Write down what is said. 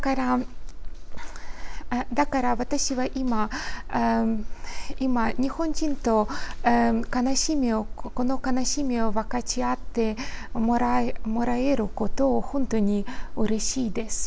だから、私は今、日本人と悲しみを、この悲しみを分かち合ってもらえることを本当にうれしいです。